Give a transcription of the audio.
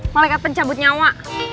malaikat pencabut nyawa